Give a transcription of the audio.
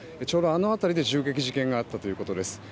ちょうどあの辺りで銃撃事件があったということです。